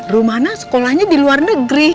rumahnya sekolahnya di luar negeri